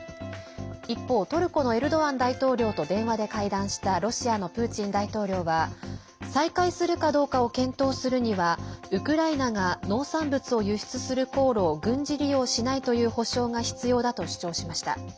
一方トルコのエルドアン大統領と電話で会談したロシアのプーチン大統領は再開するかどうかを検討するにはウクライナが農産物を輸出する航路を軍事利用しないという保証が必要だと主張しました。